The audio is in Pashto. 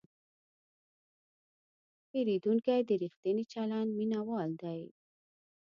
پیرودونکی د ریښتیني چلند مینهوال دی.